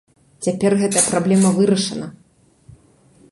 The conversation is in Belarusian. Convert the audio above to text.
Цяпер гэтая праблема вырашана.